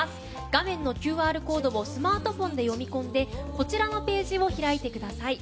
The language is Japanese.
画面のＱＲコードをスマートフォンで読み込んでこちらのページを開いてください。